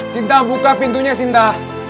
sinta buka pintunya sinta